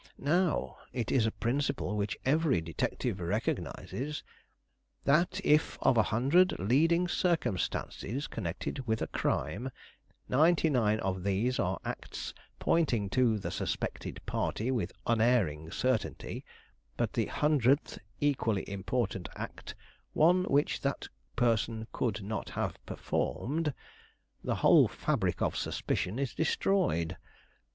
Now it is a principle which every detective recognizes, that if of a hundred leading circumstances connected with a crime, ninety nine of these are acts pointing to the suspected party with unerring certainty, but the hundredth equally important act one which that person could not have performed, the whole fabric of suspicion is destroyed.